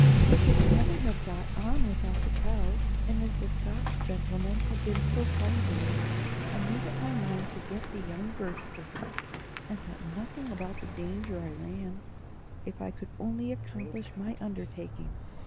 "We could never have got on without the cow; and as the Scotch gentleman had been so kind to me, I made up my mind to get the young birds for him, and thought nothing about the danger I ran, if I could only accomplish my undertaking."